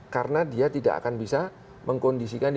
karena dia tidak akan bisa mengkondisikan